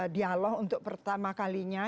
dialog untuk pertama kalinya